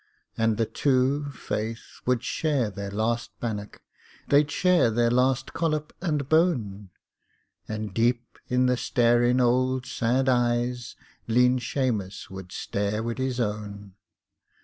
And the two, faith, would share their last bannock; They'd share their last collop and bone; And deep in the starin' ould sad eyes Lean Shamus would stare wid his own!